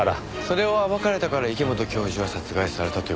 それを暴かれたから池本教授は殺害されたという事ですか？